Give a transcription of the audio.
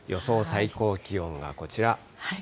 最高気温がこちら。